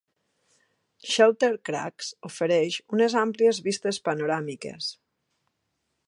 Shelter Crags ofereix unes àmplies vistes panoràmiques.